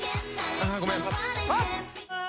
ああごめんパス